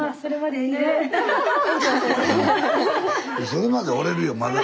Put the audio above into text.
それまでおれるよまだ。